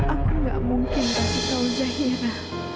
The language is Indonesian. aku nggak mungkin kasih tahu zahira